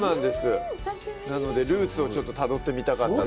なので、ルーツをちょっとたどってみたかった。